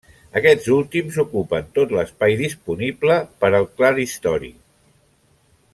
Aquests últims ocupen tot l'espai disponible per al claristori.